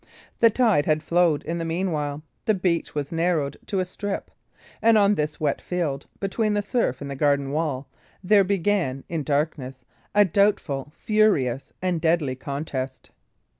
The tide had flowed, in the meanwhile; the beach was narrowed to a strip; and on this wet field, between the surf and the garden wall, there began, in the darkness, a doubtful, furious, and deadly contest.